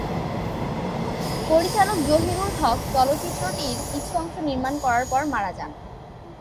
পরিচালক জহিরুল হক চলচ্চিত্রটির কিছু অংশ নির্মাণ করার পর মারা যান।